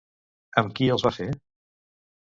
Amb qui els va fer?